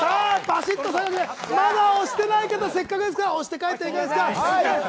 まだ押してない方、せっかくなら押して帰ったらいかがですか。